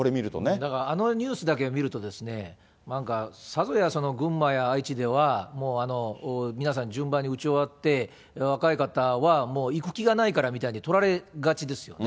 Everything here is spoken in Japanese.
だからあのニュースだけを見ると、なんかさぞや群馬や愛知では、もう皆さん、順番に打ち終わって、若い方はもう行く気がないからみたいにとられがちですよね。